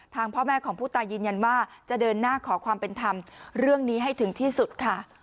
พ่อแม่ของผู้ตายยืนยันว่าจะเดินหน้าขอความเป็นธรรมเรื่องนี้ให้ถึงที่สุดค่ะ